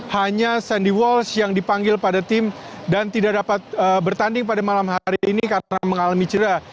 hanya sandy walsh yang dipanggil pada tim dan tidak dapat bertanding pada malam hari ini karena mengalami cedera